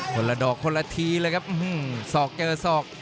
คนละดอกคนละทีเลยครับศอกเจอศอก